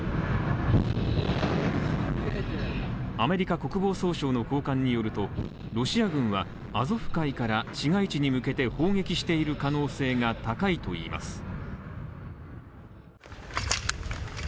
アメリカ国防総省の高官によるとロシア軍はアゾフ海から市街地に向けて砲撃している可能性が高いといいます。